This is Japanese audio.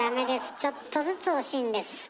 ちょっとずつ惜しいんです。